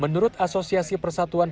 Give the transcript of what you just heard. menurut asosiasi persatuan pusat belanja